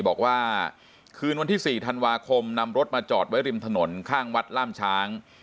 บอกว่าคืนวันที่๔ธันวาคมนำรถมาจอดไว้ริมถนนข้างวัดล่ามช้าง